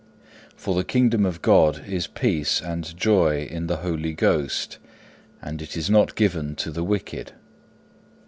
For the kingdom of God is peace and joy in the Holy Ghost, and it is not given to the wicked.